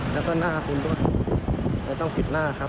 แล้วก็หน้าคุณด้วยไม่ต้องกิดหน้าครับ